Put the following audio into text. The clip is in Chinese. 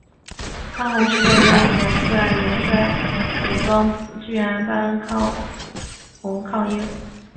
班洪事件中曾率岩帅武装支援班洪抗英。